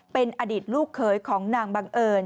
เป็นอดีตลูกเขยของนางบังเอิญ